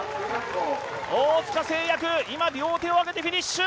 大塚製薬、今、両手を上げてフィニッシュ。